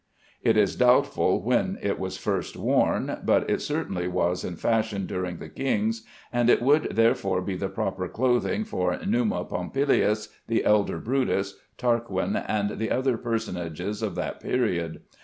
It is doubtful when it was first worn, but it certainly was in fashion during the kings, and it would therefore be the proper clothing for Numa Pompilius, the elder Brutus, Tarquin, and the other personages of that period.